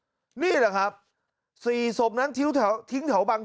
ถึงสองควบนี่แหละครับสี่ศพนั้นทิ้วแถวทิ้งแถวบัง